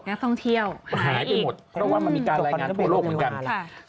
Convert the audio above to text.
หายไปหมดเพราะว่ามันมีการรายงานทั่วโลกเหมือนกัน